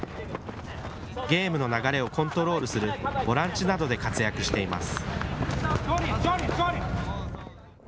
ゲームの流れをコントロールするボランチなどで活躍しています。